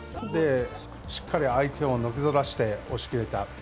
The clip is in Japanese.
しっかり相手をのけぞらして、押し切れた。